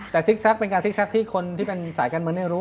แต่ซิกแซกเป็นการซิกแซกที่คนสายการเมืองนี้รู้